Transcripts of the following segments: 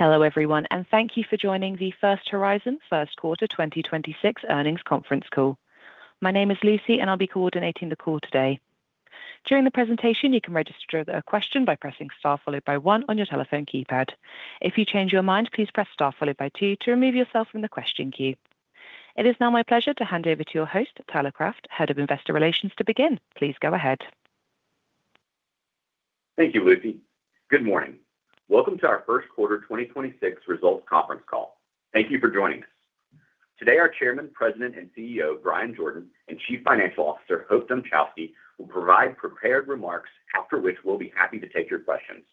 Hello everyone. Thank you for joining the First Horizon Q1 2026 Earnings Conference Call. My name is Lucy. I'll be coordinating the call today. During the presentation, you can register a question by pressing star followed by one on your telephone keypad. If you change your mind, please press star followed by two to remove yourself from the question queue. It is now my pleasure to hand over to your host, Tyler Craft, Head of Investor Relations, to begin. Please go ahead. Thank you, Lucy. Good morning. Welcome to our Q1 2026 results conference call. Thank you for joining us. Today our Chairman, President, and CEO, Bryan Jordan, and Chief Financial Officer, Hope Dmuchowski, will provide prepared remarks after which we'll be happy to take your questions.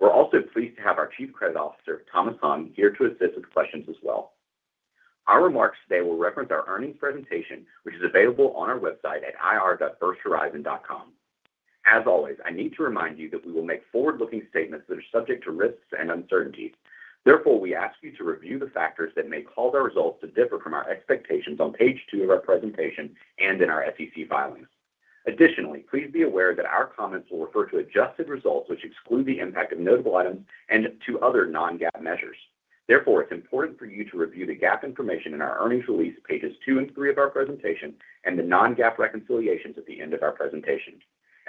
We're also pleased to have our Chief Credit Officer, Thomas Hung, here to assist with questions as well. Our remarks today will reference our earnings presentation, which is available on our website at ir.firsthorizon.com. As always, I need to remind you that we will make forward-looking statements that are subject to risks and uncertainties. Therefore, we ask you to review the factors that may cause our results to differ from our expectations on page two of our presentation and in our SEC filings. Additionally, please be aware that our comments will refer to adjusted results, which exclude the impact of notable items and to other non-GAAP measures. Therefore, it's important for you to review the GAAP information in our earnings release, pages two and three of our presentation, and the non-GAAP reconciliations at the end of our presentation.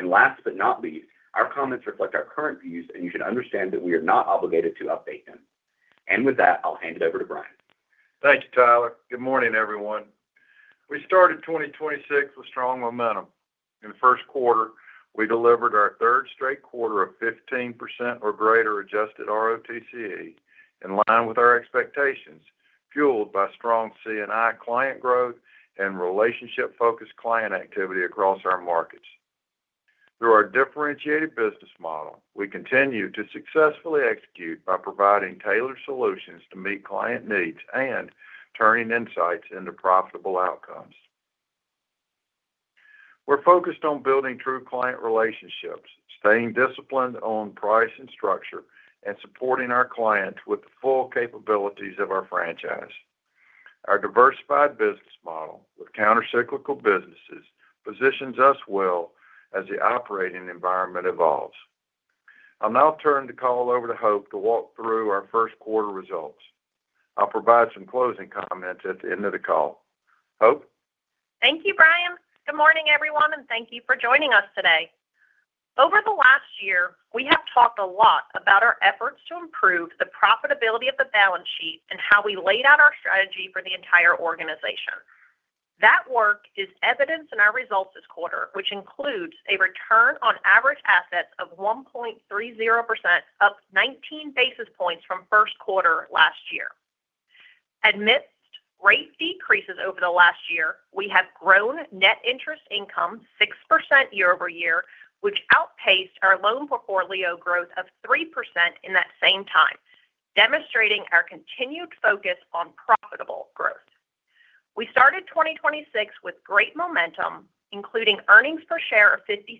Last but not least, our comments reflect our current views, and you should understand that we are not obligated to update them. With that, I'll hand it over to Bryan. Thank you, Tyler. Good morning, everyone. We started 2026 with strong momentum. In the Q1, we delivered our third straight quarter of 15% or greater adjusted ROTCE, in line with our expectations, fueled by strong C&I client growth and relationship-focused client activity across our markets. Through our differentiated business model, we continue to successfully execute by providing tailored solutions to meet client needs and turning insights into profitable outcomes. We're focused on building true client relationships, staying disciplined on price and structure, and supporting our clients with the full capabilities of our franchise. Our diversified business model with counter-cyclical businesses positions us well as the operating environment evolves. I'll now turn the call over to Hope to walk through our Q1 results. I'll provide some closing comments at the end of the call. Hope? Thank you, Bryan. Good morning, everyone, and thank you for joining us today. Over the last year, we have talked a lot about our efforts to improve the profitability of the balance sheet and how we laid out our strategy for the entire organization. That work is evidenced in our results this quarter, which includes a return on average assets of 1.30%, up 19 basis points from Q1 last year. Amidst rate decreases over the last year, we have grown net interest income 6% year-over-year, which outpaced our loan portfolio growth of 3% in that same time, demonstrating our continued focus on profitable growth. We started 2026 with great momentum, including earnings per share of $0.53,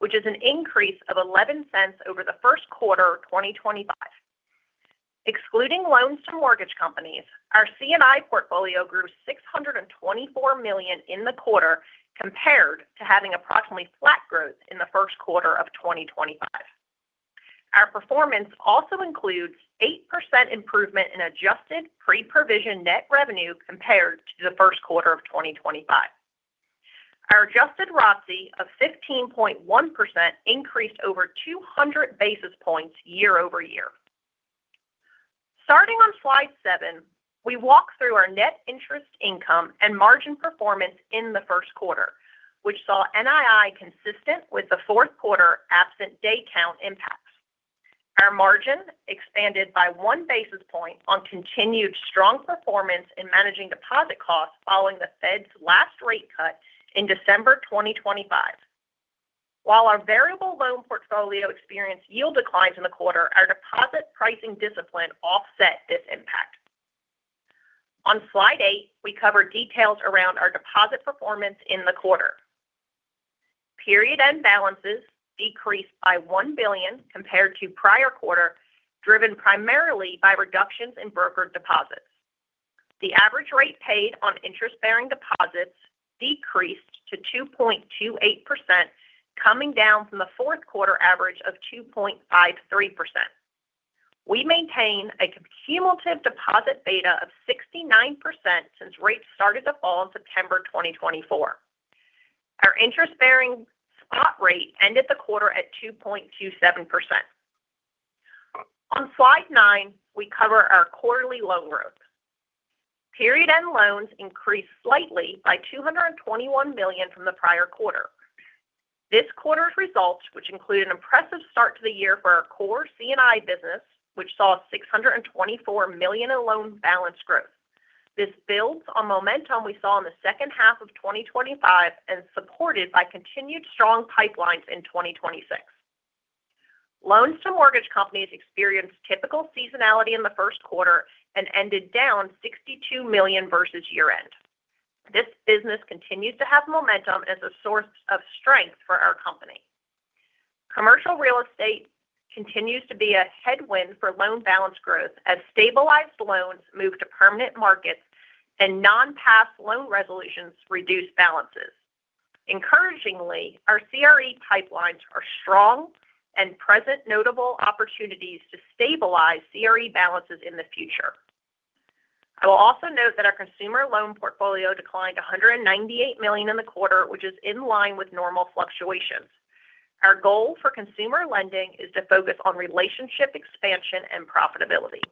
which is an increase of $0.11 over the Q1 of 2025. Excluding loans to mortgage companies, our C&I portfolio grew $624 million in the quarter, compared to having approximately flat growth in the Q1 of 2025. Our performance also includes 8% improvement in adjusted pre-provision net revenue compared to the Q1 of 2025. Our adjusted ROTCE of 15.1% increased over 200 basis points year-over-year. Starting on slide seven, we walk through our net interest income and margin performance in the Q1, which saw NII consistent with the Q4 absent day count impacts. Our margin expanded by one basis point on continued strong performance in managing deposit costs following the Fed's last rate cut in December 2025. While our variable loan portfolio experienced yield declines in the quarter, our deposit pricing discipline offset this impact. On slide eight, we cover details around our deposit performance in the quarter. Period-end balances decreased by $1 billion compared to the prior quarter, driven primarily by reductions in broker deposits. The average rate paid on interest-bearing deposits decreased to 2.28%, coming down from the Q4 average of 2.53%. We maintain a cumulative deposit beta of 69% since rates started to fall in September 2024. Our interest-bearing spot rate ended the quarter at 2.27%. On slide nine, we cover our quarterly loan growth. Period-end loans increased slightly by $221 million from the prior quarter. This quarter's results, which include an impressive start to the year for our core C&I business, which saw $624 million in loan balance growth. This builds on momentum we saw in the second half of 2025 and supported by continued strong pipelines in 2026. Loans to mortgage companies experienced typical seasonality in the Q1 and ended down $62 million versus year-end. This business continues to have momentum as a source of strength for our company. Commercial real estate continues to be a headwind for loan balance growth as stabilized loans move to permanent markets and non-pass loan resolutions reduce balances. Encouragingly, our CRE pipelines are strong and present notable opportunities to stabilize CRE balances in the future. I will also note that our consumer loan portfolio declined $198 million in the quarter, which is in line with normal fluctuations. Our goal for consumer lending is to focus on relationship expansion and profitability.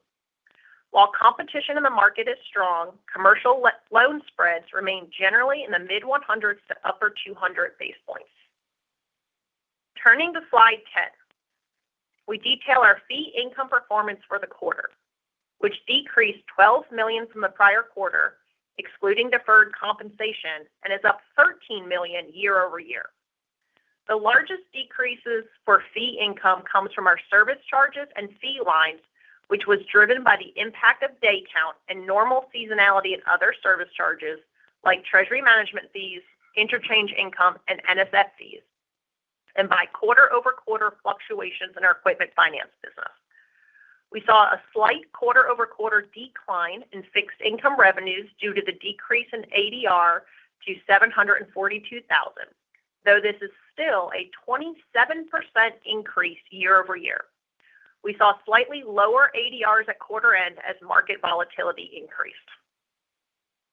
While competition in the market is strong, commercial loan spreads remain generally in the mid 100s to upper 200 basis points. Turning to slide 10. We detail our fee income performance for the quarter, which decreased $12 million from the prior quarter, excluding deferred compensation, and is up $13 million year-over-year. The largest decreases for fee income comes from our service charges and fee lines, which was driven by the impact of day count and normal seasonality and other service charges like treasury management fees, interchange income, and NSF fees, and by quarter-over-quarter fluctuations in our equipment finance business. We saw a slight quarter-over-quarter decline in fixed income revenues due to the decrease in ADR to $742,000. Though this is still a 27% increase year-over-year. We saw slightly lower ADRs at quarter-end as market volatility increased.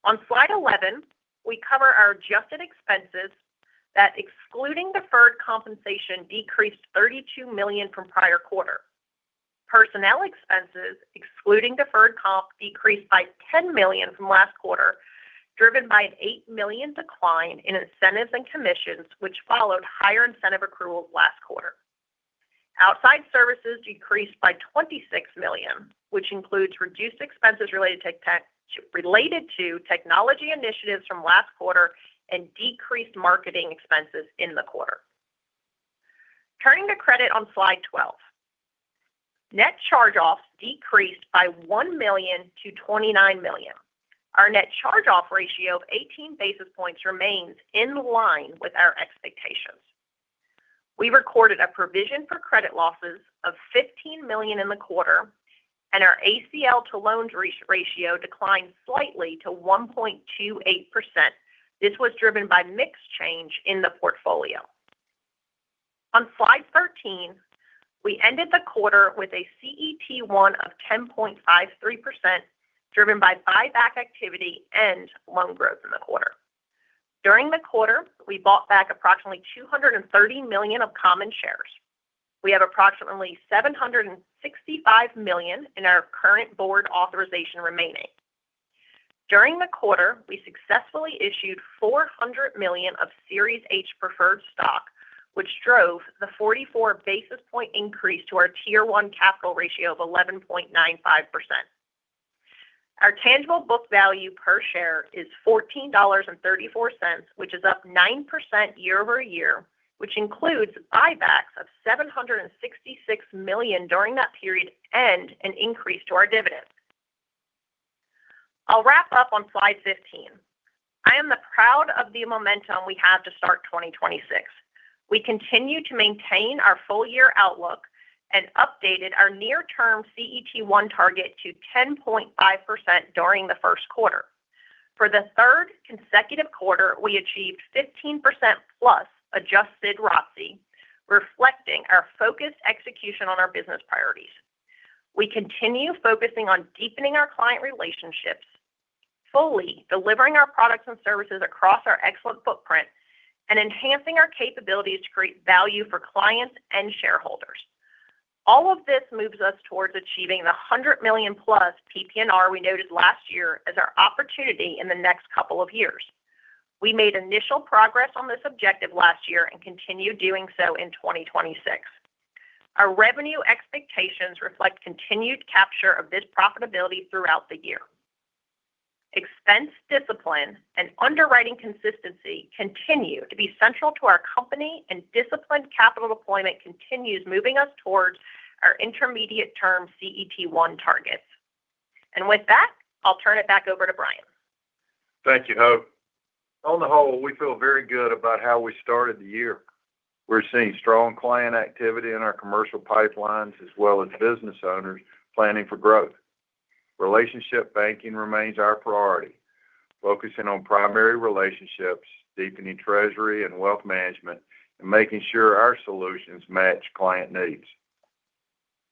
On Slide 11, we cover our adjusted expenses that, excluding deferred compensation, decreased $32 million from prior quarter. Personnel expenses, excluding deferred comp, decreased by $10 million from last quarter, driven by an $8 million decline in incentives and commissions, which followed higher incentive accruals last quarter. Outside services decreased by $26 million, which includes reduced expenses related to technology initiatives from last quarter and decreased marketing expenses in the quarter. Turning to credit on slide 12, net charge-offs decreased by $1 million to $29 million. Our net charge-off ratio of 18 basis points remains in line with our expectations. We recorded a provision for credit losses of $15 million in the quarter, and our ACL to loans ratio declined slightly to 1.28%. This was driven by mix change in the portfolio. On slide 13, we ended the quarter with a CET1 of 10.53%, driven by buyback activity and loan growth in the quarter. During the quarter, we bought back approximately $230 million of common shares. We have approximately $765 million in our current board authorization remaining. During the quarter, we successfully issued $400 million of Series H preferred stock, which drove the 44 basis point increase to our Tier 1 capital ratio of 11.95%. Our tangible book value per share is $14.34, which is up 9% year-over-year, which includes buybacks of $766 million during that period and an increase to our dividend. I'll wrap up on slide 15. I am proud of the momentum we have to start 2026. We continue to maintain our full-year outlook and updated our near-term CET1 target to 10.5% during the Q1. For the third consecutive quarter, we achieved 15%+ adjusted ROAA, reflecting our focused execution on our business priorities. We continue focusing on deepening our client relationships, fully delivering our products and services across our excellent footprint, and enhancing our capabilities to create value for clients and shareholders. All of this moves us towards achieving the $100 million+ PPNR we noted last year as our opportunity in the next couple of years. We made initial progress on this objective last year and continue doing so in 2026. Our revenue expectations reflect continued capture of this profitability throughout the year. Expense discipline and underwriting consistency continue to be central to our company, and disciplined capital deployment continues moving us towards our intermediate-term CET1 targets. With that, I'll turn it back over to Bryan. Thank you, Hope. On the whole, we feel very good about how we started the year. We're seeing strong client activity in our commercial pipelines, as well as business owners planning for growth. Relationship banking remains our priority, focusing on primary relationships, deepening treasury and wealth management, and making sure our solutions match client needs.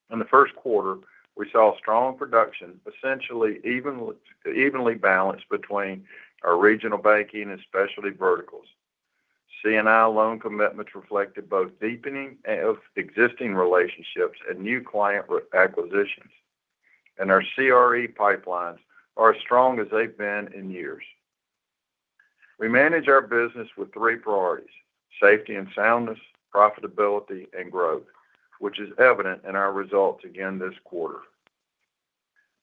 In the Q1, we saw strong production, essentially evenly balanced between our regional banking and specialty verticals. C&I loan commitments reflected both deepening of existing relationships and new client acquisitions. Our CRE pipelines are as strong as they've been in years. We manage our business with three priorities, safety and soundness, profitability, and growth, which is evident in our results again this quarter.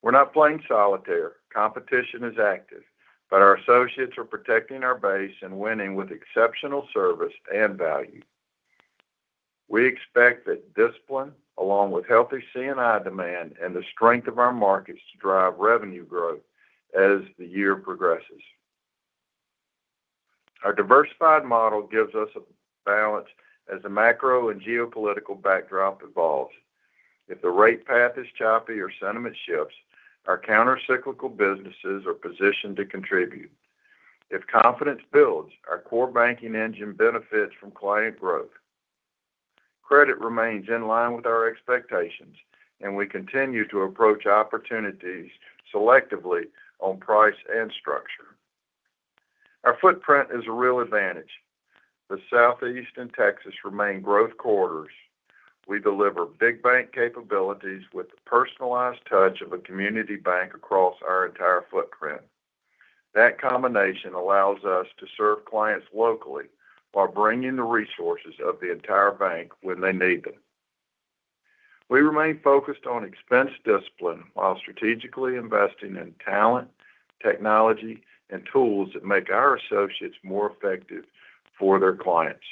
We're not playing solitaire. Competition is active, but our associates are protecting our base and winning with exceptional service and value. We expect that discipline, along with healthy C&I demand and the strength of our markets, to drive revenue growth as the year progresses. Our diversified model gives us a balance as the macro and geopolitical backdrop evolves. If the rate path is choppy or sentiment shifts, our countercyclical businesses are positioned to contribute. If confidence builds, our core banking engine benefits from client growth. Credit remains in line with our expectations, and we continue to approach opportunities selectively on price and structure. Our footprint is a real advantage. The Southeast and Texas remain growth corridors. We deliver big bank capabilities with the personalized touch of a community bank across our entire footprint. That combination allows us to serve clients locally while bringing the resources of the entire bank when they need them. We remain focused on expense discipline while strategically investing in talent, technology, and tools that make our associates more effective for their clients.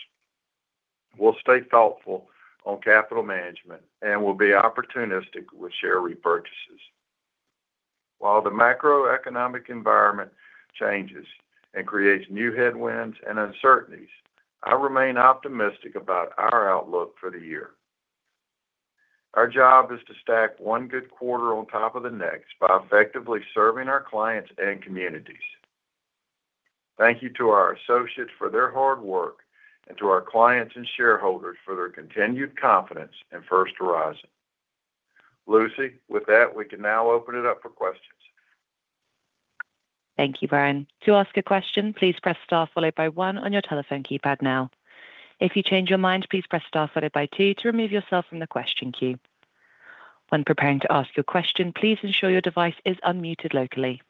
We'll stay thoughtful on capital management, and we'll be opportunistic with share repurchases. While the macroeconomic environment changes and creates new headwinds and uncertainties, I remain optimistic about our outlook for the year. Our job is to stack one good quarter on top of the next by effectively serving our clients and communities. Thank you to our associates for their hard work and to our clients and shareholders for their continued confidence in First Horizon. Lucy, with that, we can now open it up for questions. Thank you, Bryan. To ask a question, please press star followed by one on your telephone keypad now. If you change your mind, please press star followed by two to remove yourself from the question queue. When preparing to ask your question, please ensure your device is unmuted locally.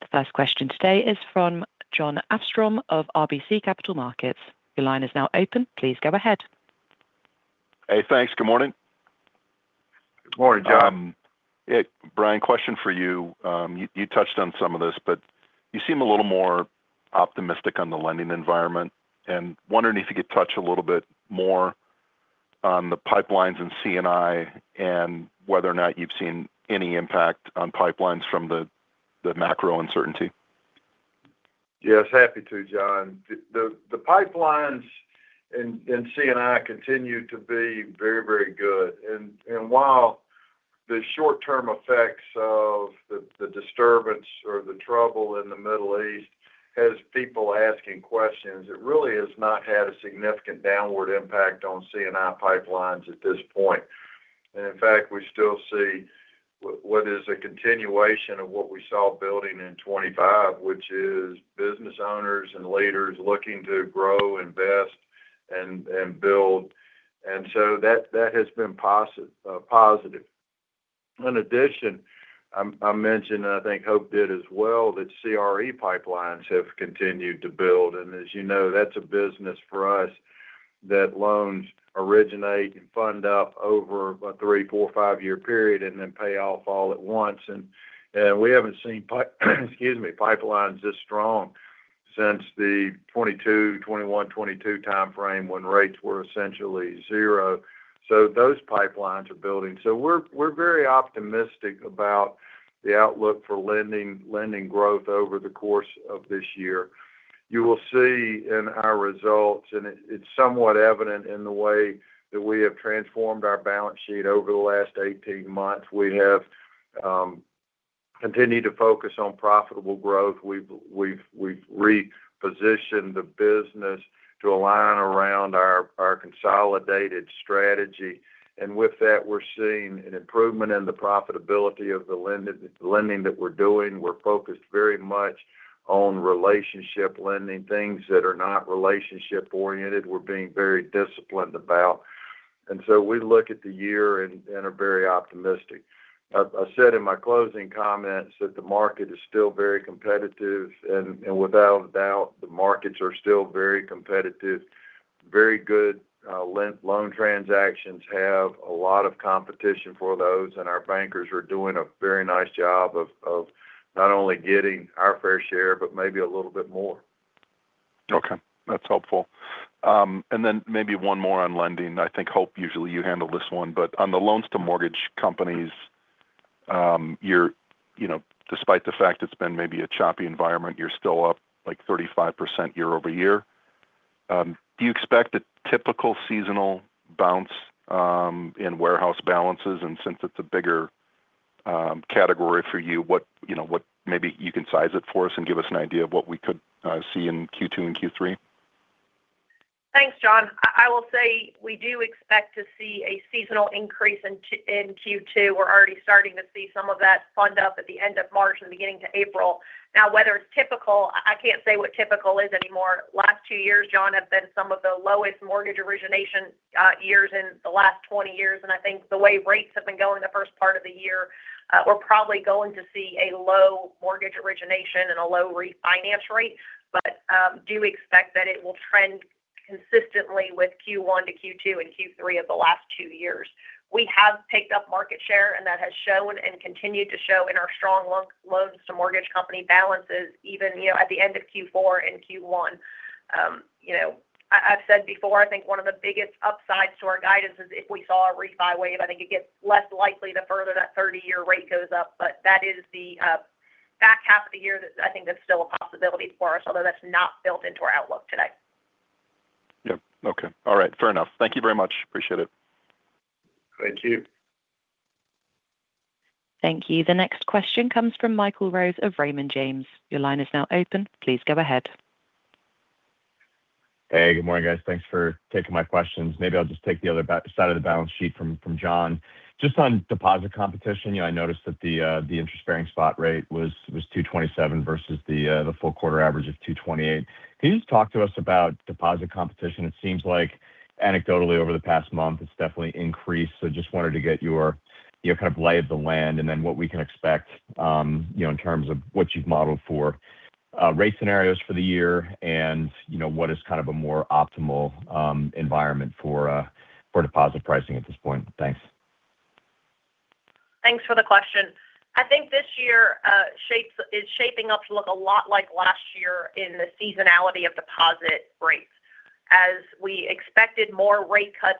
The first question today is from Jon Arfstrom of RBC Capital Markets. Your line is now open. Please go ahead. Hey, thanks. Good morning. Good morning, John. Bryan, question for you. You touched on some of this, but you seem a little more optimistic on the lending environment and wondering if you could touch a little bit more on the pipelines in C&I and whether or not you've seen any impact on pipelines from the macro uncertainty? Yes, happy to, John. The pipelines in C&I continue to be very good. And while the short-term effects of the disturbance or the trouble in the Middle East has people asking questions, it really has not had a significant downward impact on C&I pipelines at this point. And in fact, we still see what is a continuation of what we saw building in 25, which is business owners and leaders looking to grow, invest, and build. And so that has been positive. In addition, I mentioned, and I think Hope did as well, that CRE pipelines have continued to build. And as you know, that's a business for us that loans originate and fund up over a three, four, five-year period and then pay off all at once. And we haven't seen pipelines this strong since the 21, 22 timeframe when rates were essentially zero. So those pipelines are building. We're very optimistic about the outlook for lending growth over the course of this year. You will see in our results, and it's somewhat evident in the way that we have transformed our balance sheet over the last 18 months. We have continued to focus on profitable growth. We've repositioned the business to align around our consolidated strategy. With that, we're seeing an improvement in the profitability of the lending that we're doing. We're focused very much on relationship lending. Things that are not relationship oriented, we're being very disciplined about. We look at the year and are very optimistic. I said in my closing comments that the market is still very competitive, and without a doubt, the markets are still very competitive. Very good loan transactions have a lot of competition for those, and our bankers are doing a very nice job of not only getting our fair share, but maybe a little bit more. Okay. That's helpful. Maybe one more on lending. I think, Hope, usually you handle this one. On the loans to mortgage companies, despite the fact it's been maybe a choppy environment, you're still up like 35% year-over-year. Do you expect a typical seasonal bounce in warehouse balances? Since it's a bigger category for you, maybe you can size it for us and give us an idea of what we could see in Q2 and Q3. Thanks, John. I will say we do expect to see a seasonal increase in Q2. We're already starting to see some of that fund up at the end of March and beginning of April. Now, whether it's typical, I can't say what typical is anymore. Last two years, John, have been some of the lowest mortgage origination years in the last 20 years, and I think the way rates have been going the first part of the year, we're probably going to see a low mortgage origination and a low refinance rate. Do expect that it will trend consistently with Q1, Q2, and Q3 of the last two years. We have picked up market share, and that has shown and continued to show in our strong loans to mortgage company balances, even at the end of Q4 and Q1. I've said before, I think one of the biggest upsides to our guidance is if we saw a refi wave. I think it gets less likely the further that 30 year rate goes up. That is the back half of the year, I think that's still a possibility for us, although that's not built into our outlook today. Yep. Okay. All right. Fair enough. Thank you very much, appreciate it. Thank you. Thank you. The next question comes from Michael Rose of Raymond James. Your line is now open. Please go ahead. Hey, good morning, guys. Thanks for taking my questions. Maybe I'll just take the other side of the balance sheet from John. Just on deposit competition, I noticed that the interest-bearing spot rate was 2.27% versus the full quarter average of 2.28%. Can you just talk to us about deposit competition? It seems like anecdotally over the past month it's definitely increased. Just wanted to get your lay of the land and then what we can expect in terms of what you've modeled for rate scenarios for the year and what is a more optimal environment for deposit pricing at this point. Thanks. Thanks for the question. I think this year is shaping up to look a lot like last year in the seasonality of deposit rates. As we expected more rate cuts,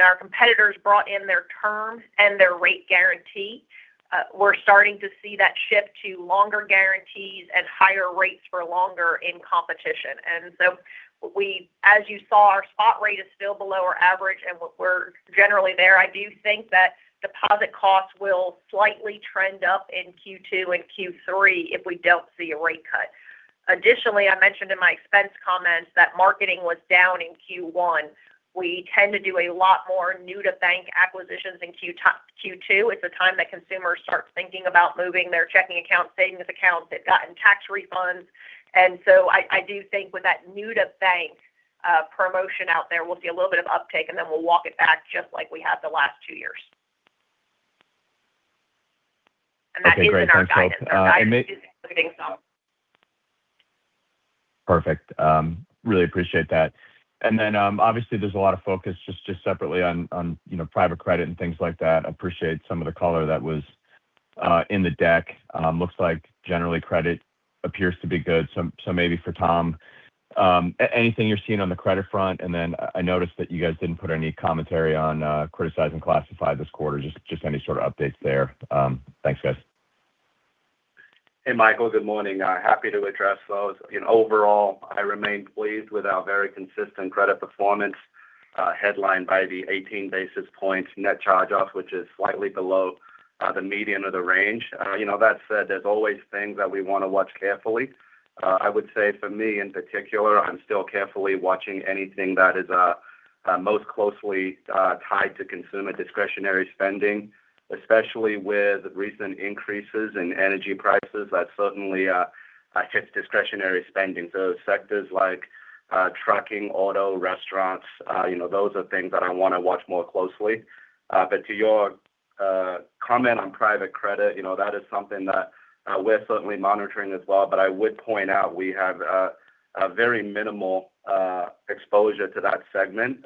our competitors brought in their terms and their rate guarantee. We're starting to see that shift to longer guarantees and higher rates for longer in competition. As you saw, our spot rate is still below our average and we're generally there. I do think that deposit costs will slightly trend up in Q2 and Q3 if we don't see a rate cut. Additionally, I mentioned in my expense comments that marketing was down in Q1. We tend to do a lot more new-to-bank acquisitions in Q2. It's a time that consumers start thinking about moving their checking account, savings accounts. They've gotten tax refunds. I do think with that new to bank promotion out there, we'll see a little bit of uptake and then we'll walk it back just like we have the last two years. That's been in our guidance. Our guidance is including some. Perfect. Really appreciate that. Obviously there's a lot of focus just separately on private credit and things like that. Appreciate some of the color that was in the deck. Looks like generally credit appears to be good. Maybe for Tom, anything you're seeing on the credit front? I noticed that you guys didn't put any commentary on criticized and classified this quarter, just any sort of updates there. Thanks, guys. Hey, Michael, good morning. Happy to address those. Overall, I remain pleased with our very consistent credit performance, headlined by the 18 basis points net charge-off, which is slightly below the median of the range. That said, there's always things that we want to watch carefully. I would say for me in particular, I'm still carefully watching anything that is most closely tied to consumer discretionary spending, especially with recent increases in energy prices. That certainly hits discretionary spending. Sectors like trucking, auto, restaurants, those are things that I want to watch more closely. To your comment on private credit, that is something that we're certainly monitoring as well, but I would point out we have a very minimal exposure to that segment.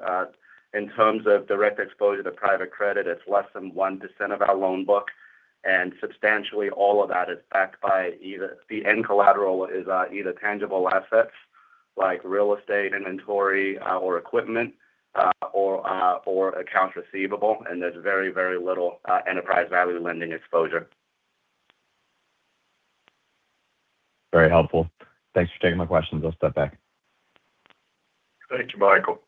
In terms of direct exposure to private credit, it's less than 1% of our loan book, and substantially all of that is backed by either tangible assets like real estate, inventory, or equipment, or account receivable. There's very little enterprise value lending exposure. Very helpful. Thanks for taking my questions. I'll step back. Thank you, Michael.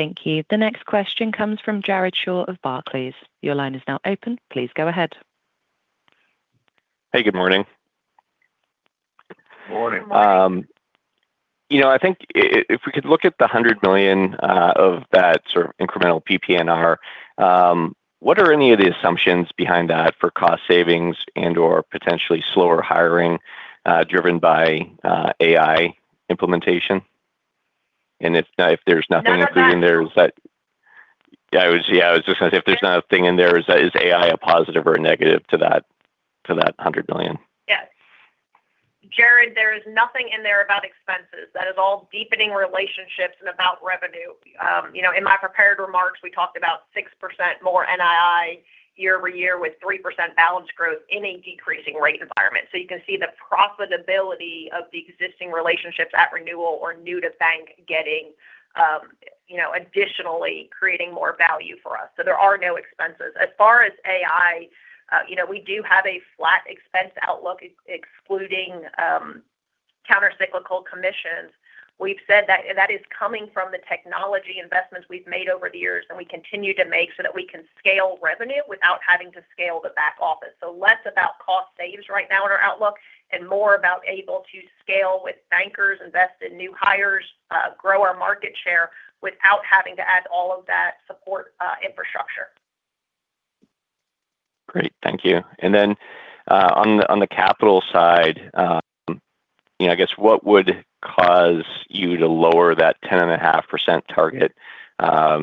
Thank you. The next question comes from Jared Shaw of Barclays. Your line is now open. Please go ahead. Hey, good morning. Morning. Morning. I think if we could look at the $100 million of that incremental PPNR, what are any of the assumptions behind that for cost savings and/or potentially slower hiring driven by AI implementation? No, we're not. Yeah, I was just going to say if there's nothing in there, is AI a positive or a negative to that $100 million? Yes. Jared, there is nothing in there about expenses. That is all deepening relationships and about revenue. In my prepared remarks, we talked about 6% more NII year-over-year with 3% balance growth in a decreasing rate environment. You can see the profitability of the existing relationships at renewal or new to bank getting additionally creating more value for us. There are no expenses. As far as AI, we do have a flat expense outlook excluding counter-cyclical commissions. We've said that is coming from the technology investments we've made over the years and we continue to make so that we can scale revenue without having to scale the back office. Less about cost saves right now in our outlook and more about able to scale with bankers, invest in new hires, grow our market share without having to add all of that support infrastructure. Great. Thank you. On the capital side, I guess what would cause you to lower that 10.5% target?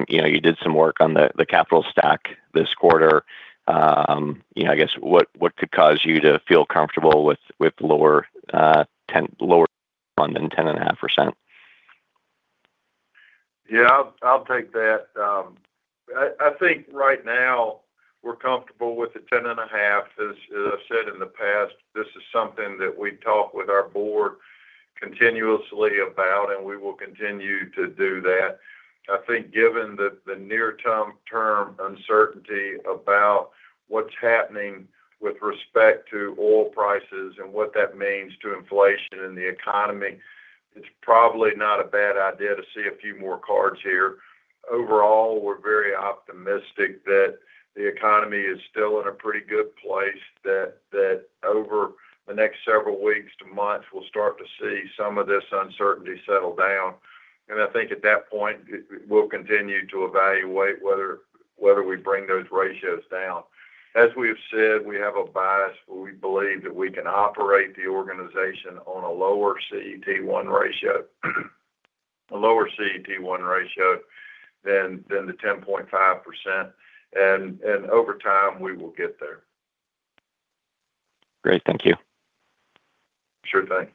You did some work on the capital stack this quarter. I guess what could cause you to feel comfortable with lower than 10.5%? Yeah, I'll take that. I think right now we're comfortable with the 10.5%. As I've said in the past, this is something that we talk with our Board. Continuously about, and we will continue to do that. I think given the near-term uncertainty about what's happening with respect to oil prices and what that means to inflation and the economy, it's probably not a bad idea to see a few more cards here. Overall, we're very optimistic that the economy is still in a pretty good place, that over the next several weeks to months, we'll start to see some of this uncertainty settle down. I think at that point, we'll continue to evaluate whether we bring those ratios down. As we have said, we have a bias where we believe that we can operate the organization on a lower CET1 ratio than the 10.5%, and over time we will get there. Great. Thank you. Sure thing.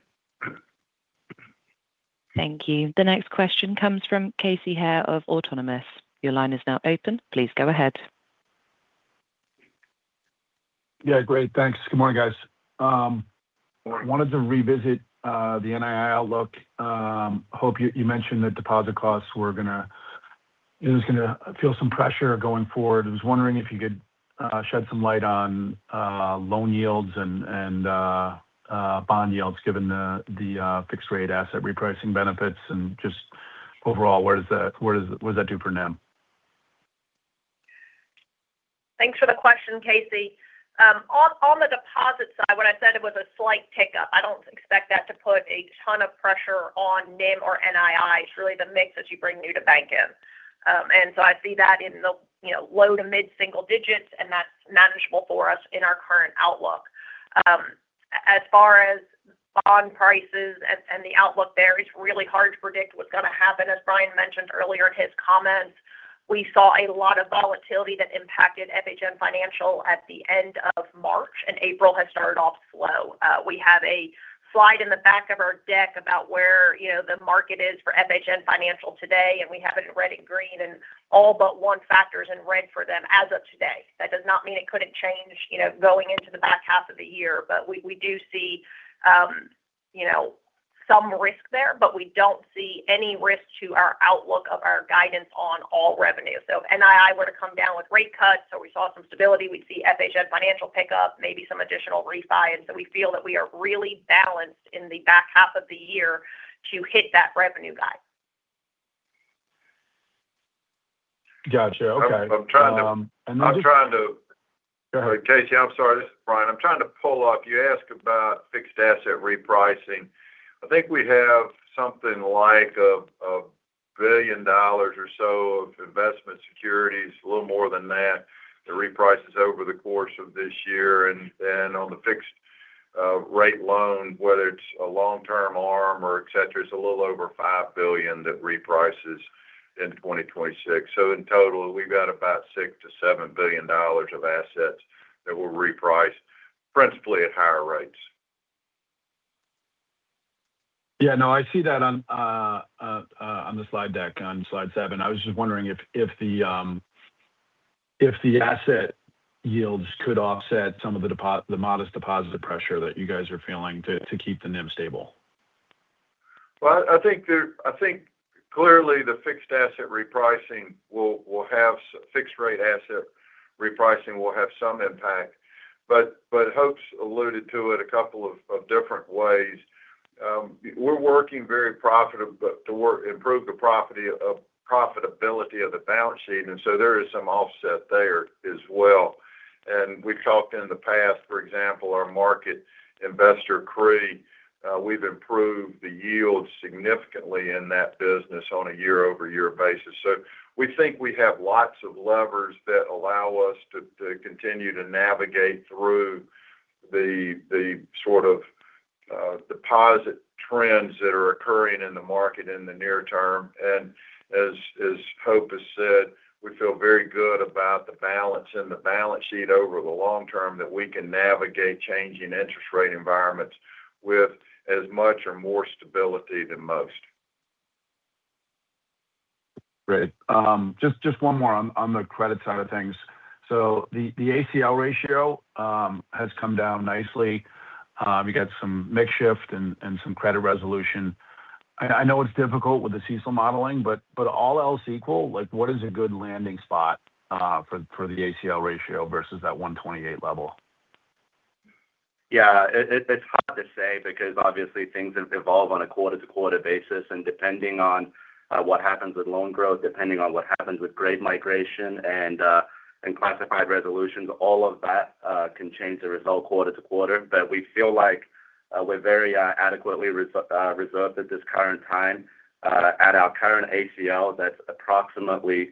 Thank you. The next question comes from Casey Haire of Autonomous. Your line is now open. Please go ahead. Yeah, great. Thanks. Good morning, guys. Morning. Wanted to revisit the NII outlook. Hope, you mentioned that deposit costs were going to feel some pressure going forward. I was wondering if you could shed some light on loan yields and bond yields given the fixed rate asset repricing benefits. Just overall, what does that do for NIM? Thanks for the question, Casey. On the deposit side, when I said it was a slight tick-up, I don't expect that to put a ton of pressure on NIM or NII. It's really the mix that you bring new to bank in. I see that in the low- to mid-single digits, and that's manageable for us in our current outlook. As far as bond prices and the outlook there, it's really hard to predict what's going to happen. As Bryan mentioned earlier in his comments, we saw a lot of volatility that impacted FHN Financial at the end of March, and April has started off slow. We have a slide in the back of our deck about where the market is for FHN Financial today, and we have it in red and green, and all but one factor's in red for them as of today. That does not mean it couldn't change going into the back half of the year. We do see some risk there, but we don't see any risk to our outlook of our guidance on all revenue. If NII were to come down with rate cuts or we saw some stability, we'd see FHN Financial pick up, maybe some additional refi. We feel that we are really balanced in the back half of the year to hit that revenue guide. Got you. Okay. I'm trying to Go ahead. Casey, I'm sorry. This is Bryan. I'm trying to pull up. You asked about fixed-asset repricing. I think we have something like $1 billion or so of investment securities, a little more than that reprices over the course of this year. On the fixed-rate loan, whether it's a long-term ARM or et cetera, it's a little over $5 billion that reprices in 2026. In total, we've got about $6 billion to $7 billion of assets that will reprice principally at higher rates. Yeah. No, I see that on the slide deck on slide seven. I was just wondering if the asset yields could offset some of the modest deposit pressure that you guys are feeling to keep the NIM stable. Well, I think clearly the fixed-rate asset repricing will have some impact. Hope's alluded to it a couple of different ways. We're working very profitably to improve the profitability of the balance sheet, and so there is some offset there as well. We've talked in the past, for example, our market investor CRE, we've improved the yield significantly in that business on a year-over-year basis. We think we have lots of levers that allow us to continue to navigate through the sort of deposit trends that are occurring in the market in the near term. As Hope has said, we feel very good about the balance in the balance sheet over the long term, that we can navigate changing interest rate environments with as much or more stability than most. Great. Just one more on the credit side of things. The ACL ratio has come down nicely. We got some mix shift and some credit resolution. I know it's difficult with the CECL modeling, but all else equal, what is a good landing spot for the ACL ratio versus that 128 level? Yeah. It's hard to say because obviously things evolve on a quarter-to-quarter basis. Depending on what happens with loan growth, depending on what happens with grade migration and classified resolutions, all of that can change the result quarter-to-quarter. We feel like we're very adequately reserved at this current time. At our current ACL, that's approximately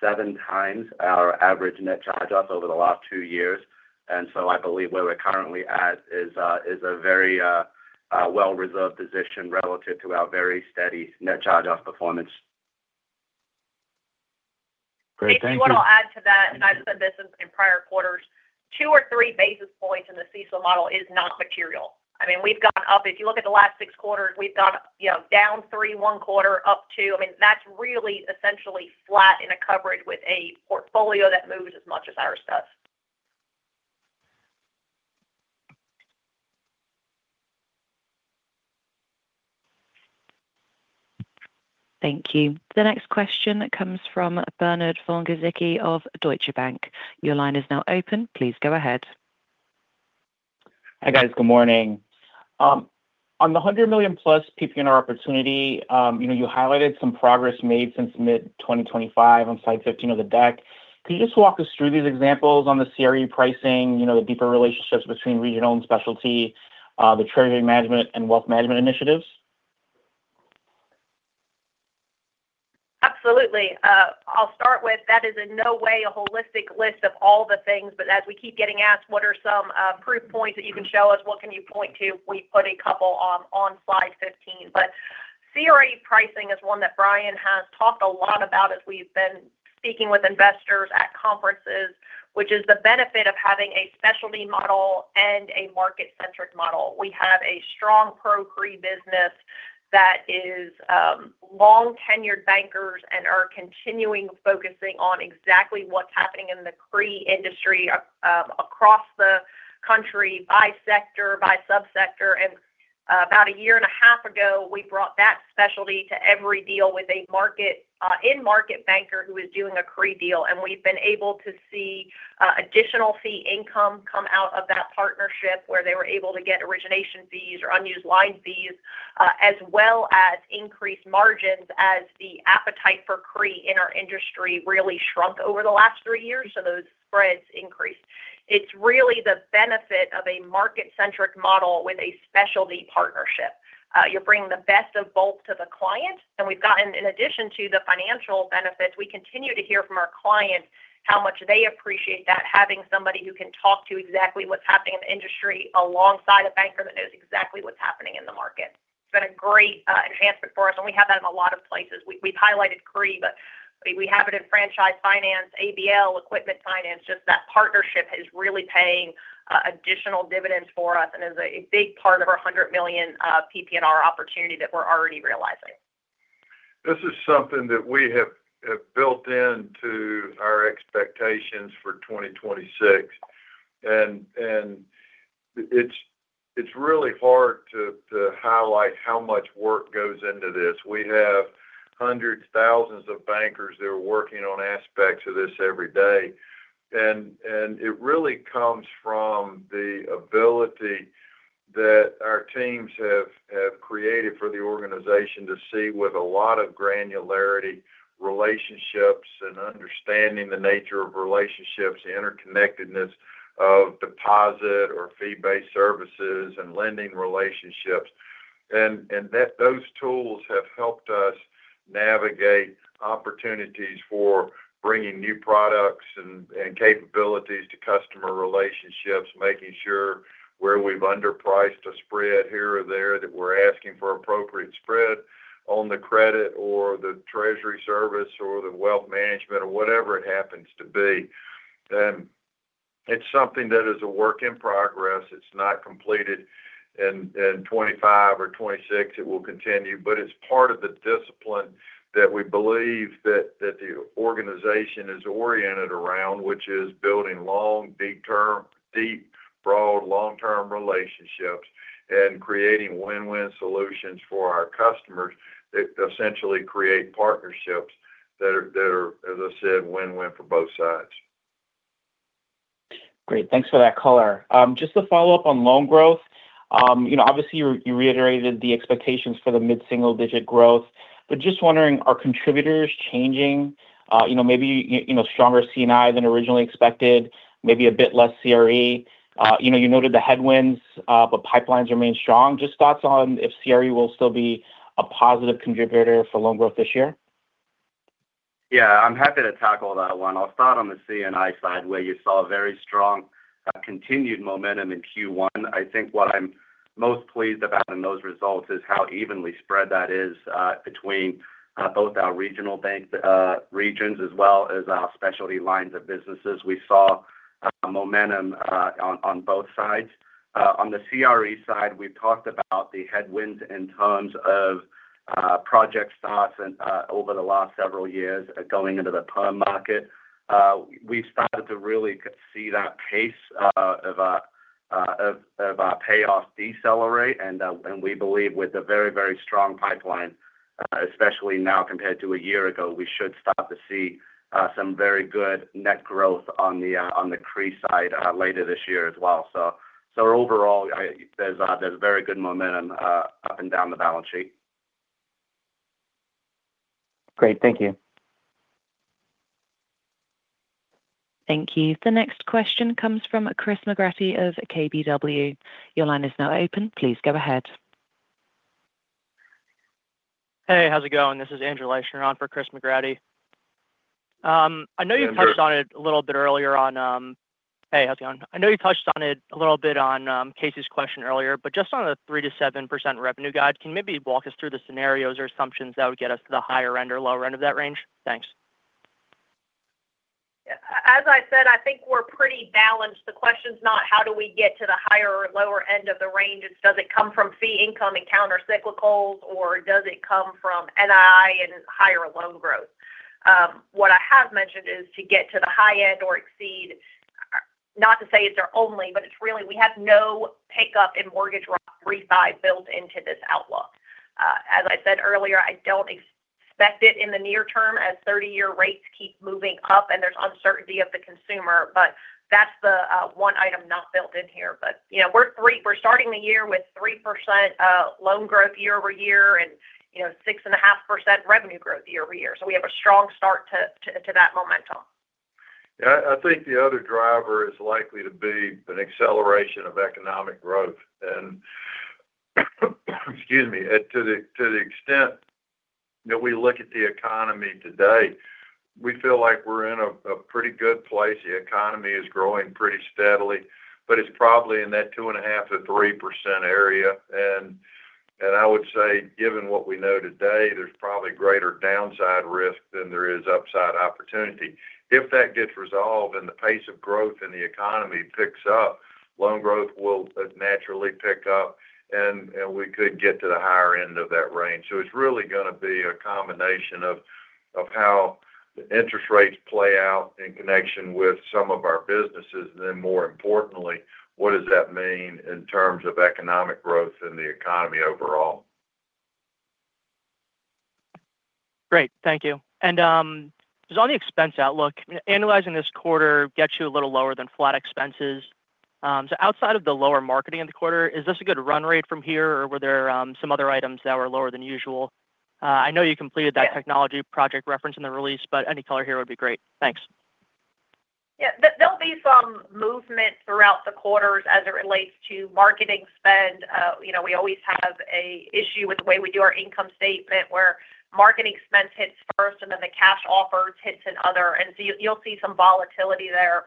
seven times our average net charge-offs over the last two years. I believe where we're currently at is a very well-reserved position relative to our very steady net charge-off performance. Great. Thank you. Casey, what I'll add to that, and I've said this in prior quarters, two or three basis points in the CECL model is not material. If you look at the last six quarters, we've gone down three, one quarter, up two. That's really essentially flat in a coverage with a portfolio that moves as much as ours does. Thank you. The next question comes from Bernard Von Gizycki of Deutsche Bank. Your line is now open. Please go ahead. Hi, guys. Good morning. On the $100 million+ PPNR opportunity, you highlighted some progress made since mid-2023 on slide 15 of the deck. Could you just walk us through these examples on the CRE pricing, the deeper relationships between Regional and Specialty, the Treasury Management, and Wealth Management initiatives? Absolutely. I'll start with that is in no way a holistic list of all the things, but as we keep getting asked what are some proof points that you can show us, what can you point to, we put a couple on Slide 15. CRE pricing is one that Bryan has talked a lot about as we've been speaking with investors at conferences, which is the benefit of having a specialty model and a market-centric model. We have a strong Pro CRE business that is long-tenured bankers and are continuing focusing on exactly what's happening in the CRE industry across the country by sector, by sub-sector. About a year and a half ago, we brought that specialty to every deal with a in-market banker who is doing a CRE deal. We've been able to see additional fee income come out of that partnership, where they were able to get origination fees or unused line fees as well as increased margins as the appetite for CRE in our industry really shrunk over the last three years. Those spreads increased. It's really the benefit of a market-centric model with a specialty partnership. You're bringing the best of both to the client, and in addition to the financial benefits, we continue to hear from our clients how much they appreciate that, having somebody who can talk to exactly what's happening in the industry alongside a banker that knows exactly what's happening in the market. It's been a great enhancement for us, and we have that in a lot of places. We've highlighted CRE, but we have it in franchise finance, ABL, equipment finance. Just that partnership is really paying additional dividends for us and is a big part of our $100 million PPNR opportunity that we're already realizing. This is something that we have built into our expectations for 2026. It's really hard to highlight how much work goes into this. We have hundreds, thousands of bankers that are working on aspects of this every day. It really comes from the ability that our teams have created for the organization to see with a lot of granularity, relationships, and understanding the nature of relationships, the interconnectedness of deposit or fee-based services and lending relationships. Those tools have helped us navigate opportunities for bringing new products and capabilities to customer relationships, making sure where we've underpriced a spread here or there, that we're asking for appropriate spread on the credit or the treasury service or the wealth management or whatever it happens to be. It's something that is a work in progress. It's not completed in 2025 or 2026. It will continue. It's part of the discipline that we believe that the organization is oriented around, which is building long, deep, broad, long-term relationships and creating win-win solutions for our customers that essentially create partnerships that are, as I said, win-win for both sides. Great. Thanks for that color. Just to follow up on loan growth, obviously you reiterated the expectations for the mid-single-digit growth, but just wondering, are contributors changing, maybe stronger C&I than originally expected, maybe a bit less CRE? You noted the headwinds, but pipelines remain strong, just thoughts on if CRE will still be a positive contributor for loan growth this year? Yeah, I'm happy to tackle that one. I'll start on the C&I side, where you saw very strong continued momentum in Q1. I think what I'm most pleased about in those results is how evenly spread that is between both our regional bank regions as well as our specialty lines of businesses. We saw momentum on both sides. On the CRE side, we've talked about the headwinds in terms of project starts over the last several years going into the perm market. We've started to really see that pace of payoff decelerate, and we believe with a very strong pipeline, especially now compared to a year ago, we should start to see some very good net growth on the CRE side later this year as well. Overall, there's very good momentum up and down the balance sheet. Great. Thank you. Thank you. The next question comes from Chris McGratty of KBW. Your line is now open. Please go ahead. Hey, how's it going? This is Andrew Liesch on for Chris McGratty. Hey, Andrew. Hey, how's it going? I know you touched on it a little bit on Casey's question earlier, but just on the 3% to 7% revenue guide, can you maybe walk us through the scenarios or assumptions that would get us to the higher end or lower end of that range? Thanks. As I said, I think we're pretty balanced. The question's not how do we get to the higher or lower end of the range. It's does it come from fee income and countercyclicals, or does it come from NII and higher loan growth? What I have mentioned is to get to the high end or exceed, not to say it's our only, but we have no pickup in mortgage refi built into this outlook. As I said earlier, I don't expect it in the near term as 30-year rates keep moving up and there's uncertainty of the consumer, but that's the one item not built in here. We're starting the year with 3% loan growth year-over-year and 6.5% revenue growth year-over-year. We have a strong start to that momentum. Yeah, I think the other driver is likely to be an acceleration of economic growth. Excuse me. To the extent that we look at the economy today, we feel like we're in a pretty good place. The economy is growing pretty steadily, but it's probably in that 2.5% to 3% area. I would say, given what we know today, there's probably greater downside risk than there is upside opportunity. If that gets resolved and the pace of growth in the economy picks up, loan growth will naturally pick up, and we could get to the higher end of that range. It's really going to be a combination of how the interest rates play out in connection with some of our businesses, and then more importantly, what does that mean in terms of economic growth in the economy overall? Great. Thank you. Just on the expense outlook, annualizing this quarter gets you a little lower than flat expenses. Outside of the lower marketing in the quarter, is this a good run rate from here, or were there some other items that were lower than usual? I know you completed that technology project referenced in the release, but any color here would be great. Thanks. Yeah. There'll be some movement throughout the quarters as it relates to marketing spend. We always have an issue with the way we do our income statement, where marketing spend hits first and then the cash offered hits in other, and so you'll see some volatility there.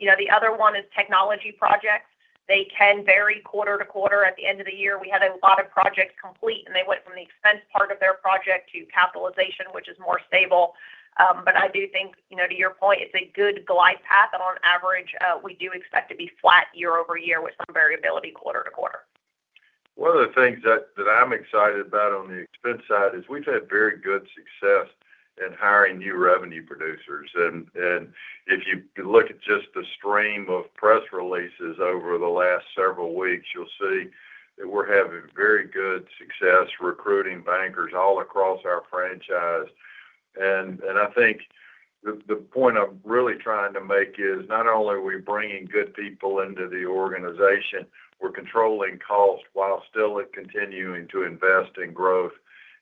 The other one is technology projects. They can vary quarter to quarter. At the end of the year, we had a lot of projects complete, and they went from the expense part of their project to capitalization, which is more stable. I do think, to your point, it's a good glide path, and on average, we do expect to be flat year-over-year with some variability quarter to quarter. One of the things that I'm excited about on the expense side is we've had very good success in hiring new revenue producers. If you look at just the stream of press releases over the last several weeks, you'll see that we're having very good success recruiting bankers all across our franchise. I think the point I'm really trying to make is not only are we bringing good people into the organization, we're controlling costs while still continuing to invest in growth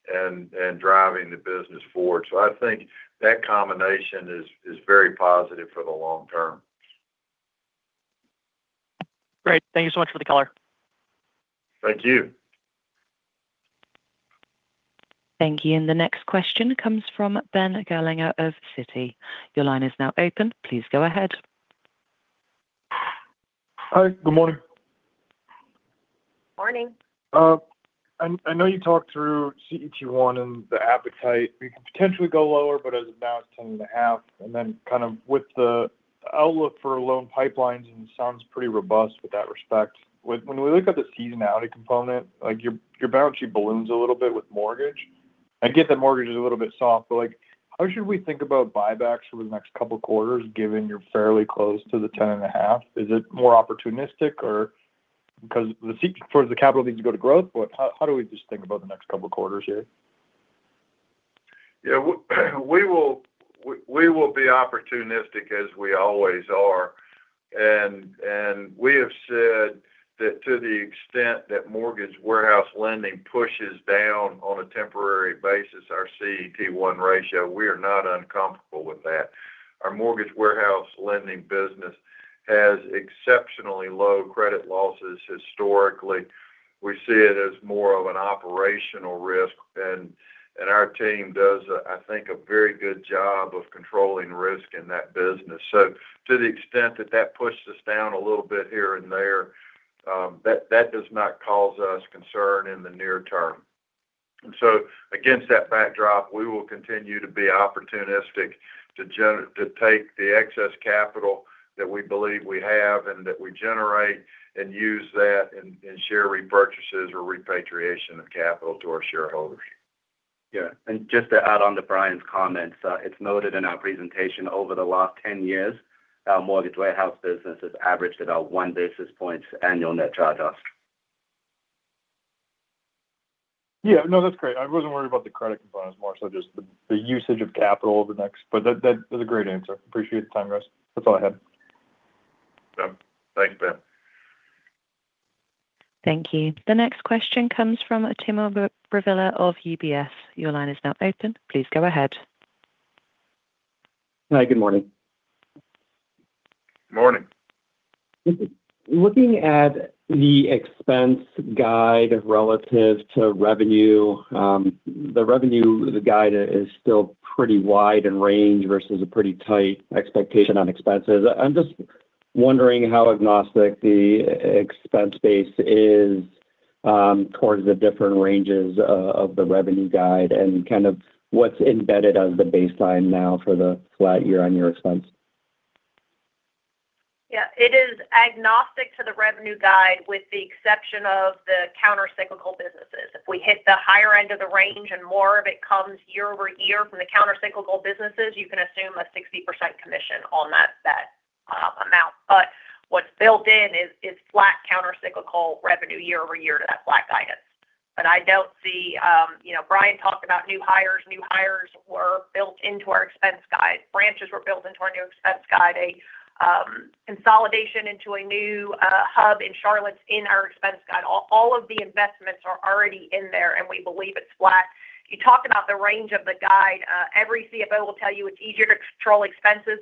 and driving the business forward. I think that combination is very positive for the long term. Great. Thank you so much for the color. Thank you. Thank you. The next question comes from Ben Gerlinger of Citi. Your line is now open. Please go ahead. Hi. Good morning. Morning. I know you talked through CET1 and the appetite. You could potentially go lower, but as of now it's 10.5%. Kind of with the outlook for loan pipelines, and it sounds pretty robust with that respect. When we look at the seasonality component, your balance sheet balloons a little bit with mortgage. I get that mortgage is a little bit soft, but how should we think about buybacks over the next couple of quarters, given you're fairly close to the 10.5%? Is it more opportunistic? Because the capital needs to go to growth, but how do we just think about the next couple of quarters here? We will be opportunistic as we always are. We have said that to the extent that mortgage warehouse lending pushes down on a temporary basis our CET1 ratio, we are not uncomfortable with that. Our mortgage warehouse lending business has exceptionally low credit losses historically. We see it as more of an operational risk. Our team does, I think, a very good job of controlling risk in that business. To the extent that that pushes us down a little bit here and there, that does not cause us concern in the near term. Against that backdrop, we will continue to be opportunistic to take the excess capital that we believe we have and that we generate and use that in share repurchases or repatriation of capital to our shareholders. Yeah. Just to add on to Bryan's comments, it's noted in our presentation over the last 10 years, our mortgage warehouse business has averaged about one basis point annual net charge-off. Yeah. No, that's great. I wasn't worried about the credit component, more so just the usage of capital. That's a great answer. I appreciate the time, guys. That's all I had. Thanks, Ben. Thank you. The next question comes from Timur Braziler of UBS. Your line is now open. Please go ahead. Hi. Good morning. Morning. Looking at the expense guide relative to revenue, the revenue guide is still pretty wide in range versus a pretty tight expectation on expenses. I'm just wondering how agnostic the expense base is towards the different ranges of the revenue guide and kind of what's embedded as the baseline now for the flat year-on-year expense? Yeah, it is agnostic to the revenue guide with the exception of the countercyclical businesses. If we hit the higher end of the range and more of it comes year-over-year from the countercyclical businesses, you can assume a 60% commission on that amount. What's built in is flat countercyclical revenue year-over-year to that flat guidance. Bryan talked about new hires. New hires were built into our expense guide. Branches were built into our new expense guide. A consolidation into a new hub in Charlotte's in our expense guide. All of the investments are already in there, and we believe it's flat. You talk about the range of the guide. Every CFO will tell you it's easier to control expenses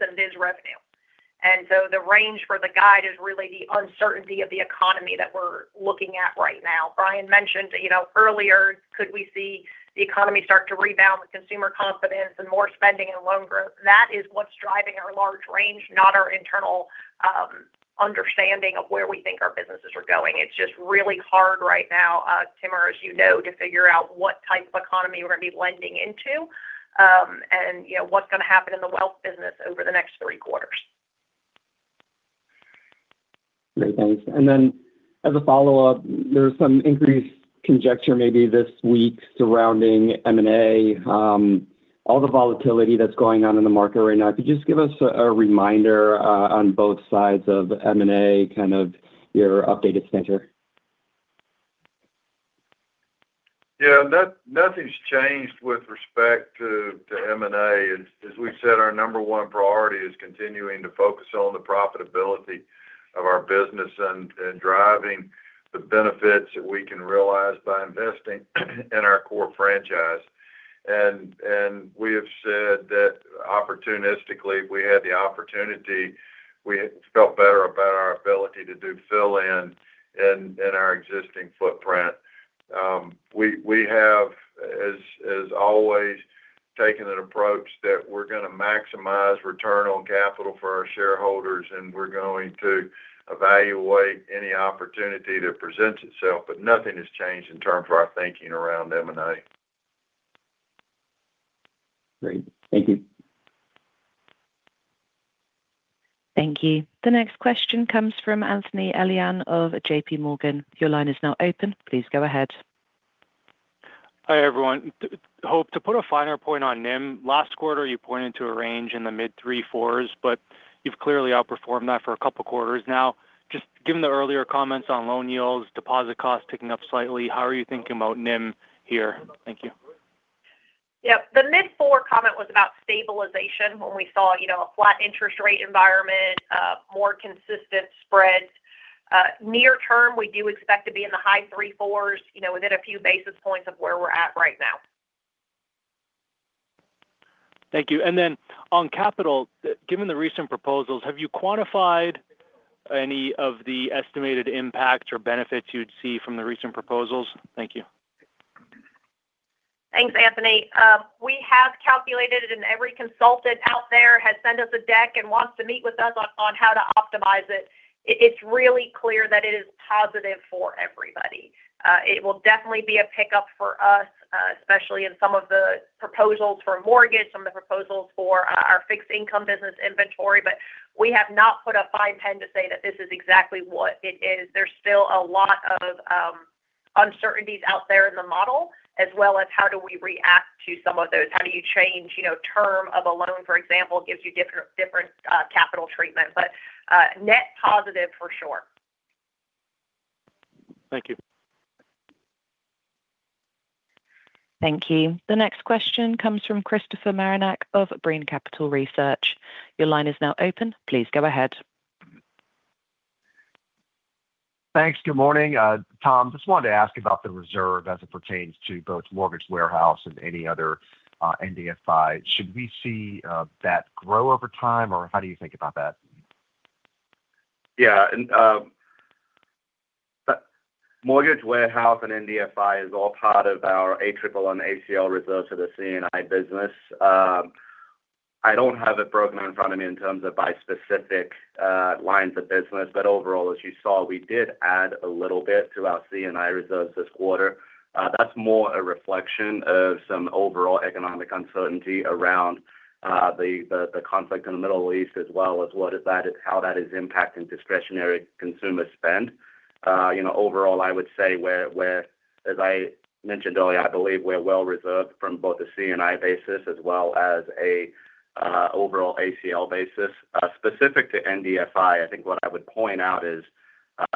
than it is revenue. The range for the guide is really the uncertainty of the economy that we're looking at right now. Bryan mentioned earlier. Could we see the economy start to rebound with consumer confidence and more spending and loan growth? That is what's driving our large range, not our internal understanding of where we think our businesses are going. It's just really hard right now, Timur, as you know, to figure out what type of economy we're going to be lending into, and what's going to happen in the wealth business over the next three quarters. Great. Thanks. As a follow-up, there's some increased conjecture maybe this week surrounding M&A. All the volatility that's going on in the market right now, could you just give us a reminder on both sides of M&A, your updated stance here? Yeah. Nothing's changed with respect to M&A. As we've said, our number one priority is continuing to focus on the profitability of our business and driving the benefits that we can realize by investing in our core franchise. We have said that opportunistically, we had the opportunity, we felt better about our ability to do fill-in in our existing footprint. We have, as always, taken an approach that we're going to maximize return on capital for our shareholders, and we're going to evaluate any opportunity that presents itself. Nothing has changed in terms of our thinking around M&A. Great. Thank you. Thank you. The next question comes from Anthony Elian of JPMorgan. Your line is now open. Please go ahead. Hi, everyone. Hope, to put a finer point on NIM, last quarter, you pointed to a range in the mid 3.4%, but you've clearly outperformed that for a couple of quarters now. Just given the earlier comments on loan yields, deposit costs ticking up slightly, how are you thinking about NIM here? Thank you. Yep. The mid-four comment was about stabilization when we saw a flat interest rate environment, more consistent spreads. Near-term, we do expect to be in the high 3.4%, within a few basis points of where we're at right now. Thank you. On capital, given the recent proposals, have you quantified any of the estimated impacts or benefits you'd see from the recent proposals? Thank you. Thanks, Anthony. We have calculated, and every consultant out there has sent us a deck and wants to meet with us on how to optimize it. It's really clear that it is positive for everybody. It will definitely be a pickup for us, especially in some of the proposals for mortgage, some of the proposals for our fixed income business inventory. We have not put a fine pen to say that this is exactly what it is. There's still a lot of uncertainties out there in the model, as well as how do we react to some of those. How do you change term of a loan, for example, gives you different capital treatment. Net positive for sure. Thank you. Thank you. The next question comes from Christopher Marinac of Janney Montgomery Scott. Your line is now open. Please go ahead. Thanks. Good morning. Tom, I just wanted to ask about the reserve as it pertains to both Mortgage Warehouse and any other NBFI. Should we see that grow over time, or how do you think about that? Yeah. Mortgage Warehouse and NBFI is all part of our ABL and ACL reserves for the C&I business. I don't have it broken out in front of me in terms of by specific lines of business. Overall, as you saw, we did add a little bit to our C&I reserves this quarter. That's more a reflection of some overall economic uncertainty around the conflict in the Middle East, as well as how that is impacting discretionary consumer spend. Overall, I would say as I mentioned earlier, I believe we're well reserved from both a C&I basis as well as an overall ACL basis. Specific to NBFI, I think what I would point out is,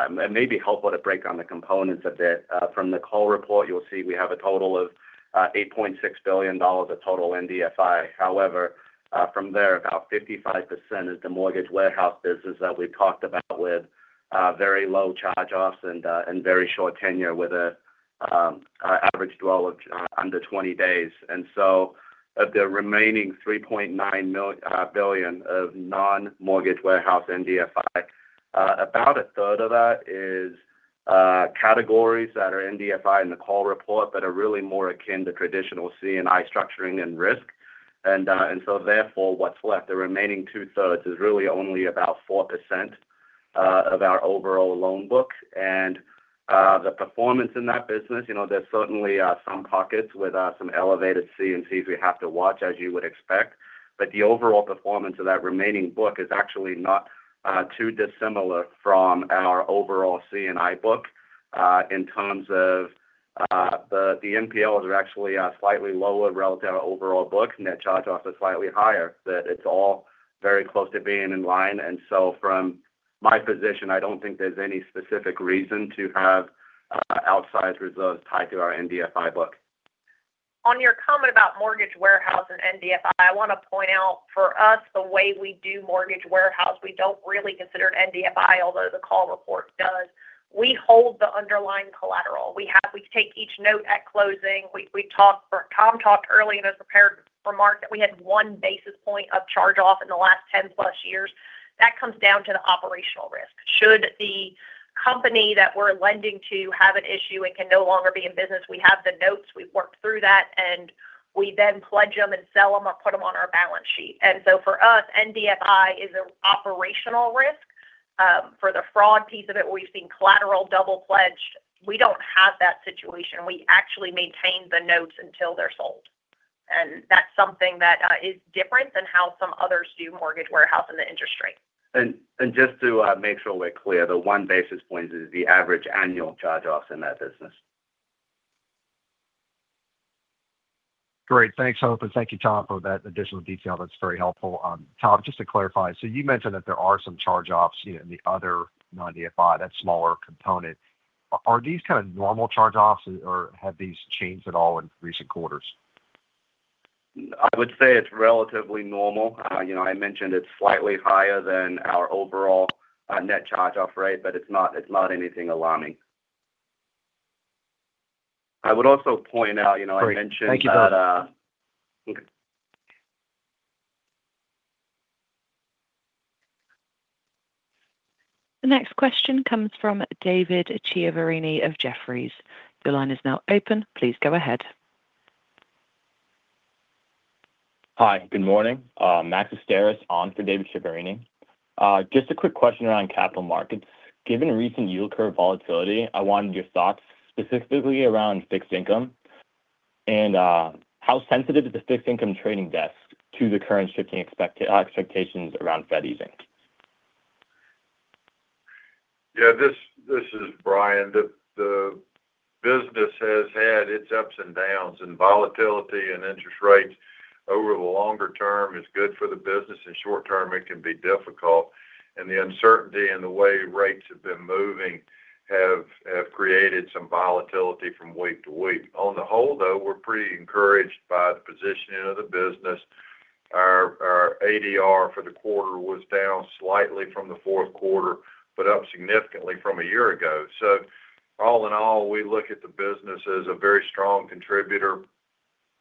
it may be helpful to break down the components a bit. From the Call Report, you'll see we have a total of $8.6 billion of total NBFI. However, from there, about 55% is the Mortgage Warehouse business that we've talked about with very low charge-offs and very short tenure with an average dwell of under 20 days. Of the remaining $3.9 billion of non-Mortgage Warehouse NBFI, about a third of that is categories that are NBFI in the call report but are really more akin to traditional C&I structuring and risk. Therefore, what's left, the remaining two-thirds is really only about 4% of our overall loan book, and the performance in that business, there's certainly some pockets with some elevated C&Cs we have to watch, as you would expect. The overall performance of that remaining book is actually not too dissimilar from our overall C&I book in terms of the NPLs are actually slightly lower relative to overall books. Net charge-off is slightly higher. It's all very close to being in line. From my position, I don't think there's any specific reason to have outsized reserves tied to our NBFI book. On your comment about mortgage warehouse and NBFI, I want to point out for us, the way we do mortgage warehouse, we don't really consider it NBFI, although the Call Report does. We hold the underlying collateral. We take each note at closing. Tom talked early in his prepared remarks that we had one basis point of charge-off in the last 10+ years. That comes down to the operational risk. Should the company that we're lending to have an issue and can no longer be in business, we have the notes. We've worked through that, and we then pledge them and sell them or put them on our balance sheet. For us, NBFI is an operational risk. For the fraud piece of it, where you've seen collateral double pledged, we don't have that situation. We actually maintain the notes until they're sold. That's something that is different than how some others do mortgage warehouse in the industry. Just to make sure we're clear, the one basis point is the average annual charge-offs in that business. Great. Thanks, Hope, and thank you, Tom, for that additional detail. That's very helpful. Tom, just to clarify, so you mentioned that there are some charge-offs in the other NBFI, that smaller component. Are these kind of normal charge-offs or have these changed at all in recent quarters? I would say it's relatively normal. I mentioned it's slightly higher than our overall net charge-off rate, but it's not anything alarming. Great. Thank you both. Okay. The next question comes from David Chiaverini of Jefferies. Your line is now open. Please go ahead. Hi. Good morning. Max Asteris on for David Chiaverini. Just a quick question around capital markets. Given recent yield curve volatility, I wanted your thoughts specifically around fixed income and how sensitive is the fixed income trading desk to the current shifting expectations around Fed easing? Yeah, this is Bryan. The business has had its ups and downs, and volatility in interest rates over the longer term is good for the business. In short term, it can be difficult, and the uncertainty in the way rates have been moving have created some volatility from week to week. On the whole, though, we're pretty encouraged by the positioning of the business. Our ADR for the quarter was down slightly from the Q4, but up significantly from a year ago. All in all, we look at the business as a very strong contributor,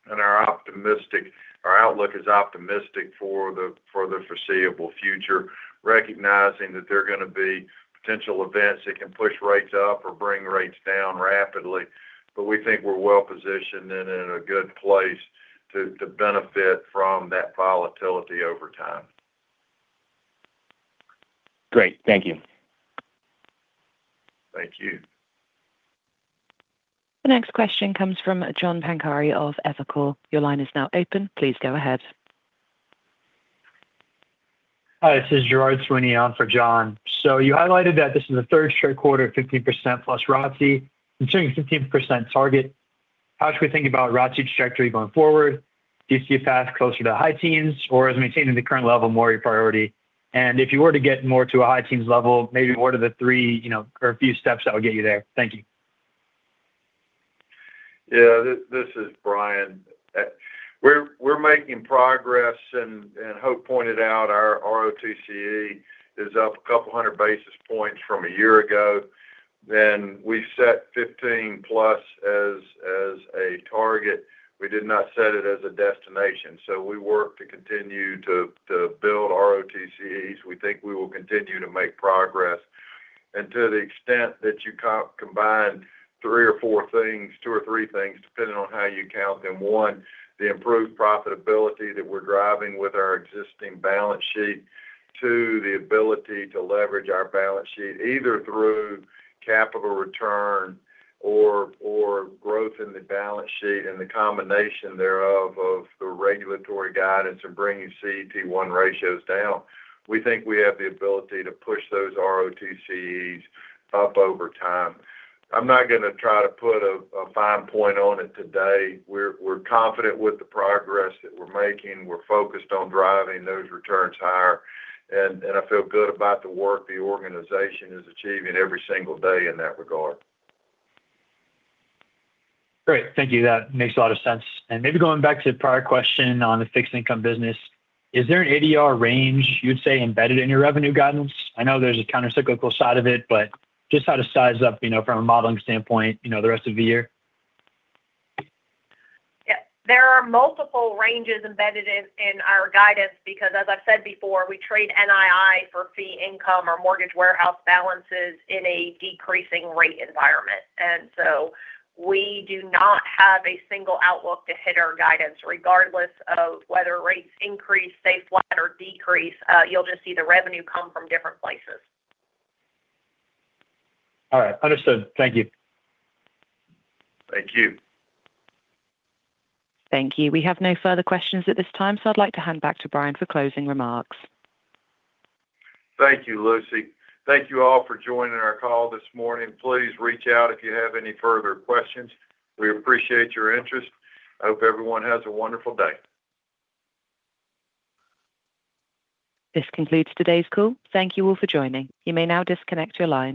and our outlook is optimistic for the foreseeable future, recognizing that there are going to be potential events that can push rates up or bring rates down rapidly. We think we're well positioned and in a good place to benefit from that volatility over time. Great. Thank you. Thank you. The next question comes from John Pancari of Evercore. Your line is now open. Please go ahead. Hi, this is Girard Sweeney on for John. You highlighted that this is the third straight quarter of 15%+ ROTCE. Considering the 15% target, how should we think about ROTCE trajectory going forward? Do you see a path closer to high teens, or is maintaining the current level more a priority? If you were to get more to a high teens level, maybe what are the three or a few steps that will get you there? Thank you. Yeah. This is Bryan. We're making progress, and Hope pointed out our ROTCE is up a couple hundred basis points from a year ago. We set 15%+ as a target. We did not set it as a destination. We work to continue to build ROTCEs. We think we will continue to make progress, and to the extent that you combine three or four things, two or three things, depending on how you count them, one, the improved profitability that we're driving with our existing balance sheet, two, the ability to leverage our balance sheet, either through capital return or growth in the balance sheet and the combination thereof of the regulatory guidance of bringing CET1 ratios down, we think we have the ability to push those ROTCEs up over time. I'm not going to try to put a fine point on it today. We're confident with the progress that we're making. We're focused on driving those returns higher, and I feel good about the work the organization is achieving every single day in that regard. Great. Thank you. That makes a lot of sense. Maybe going back to the prior question on the fixed income business, is there an ADR range you'd say embedded in your revenue guidance? I know there's a countercyclical side of it, but just how to size up, from a modeling standpoint, the rest of the year? Yes. There are multiple ranges embedded in our guidance because, as I've said before, we trade NII for fee income or mortgage warehouse balances in a decreasing rate environment. We do not have a single outlook to hit our guidance, regardless of whether rates increase, stay flat, or decrease. You'll just see the revenue come from different places. All right. Understood. Thank you. Thank you. Thank you. We have no further questions at this time, so I'd like to hand back to Bryan for closing remarks. Thank you, Lucy. Thank you all for joining our call this morning. Please reach out if you have any further questions. We appreciate your interest. Hope everyone has a wonderful day. This concludes today's call. Thank you all for joining. You may now disconnect your line.